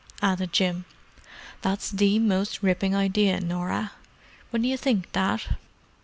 added Jim. "That's the most ripping idea, Norah! What do you think, Dad?"